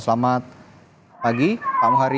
selamat pagi pak muhari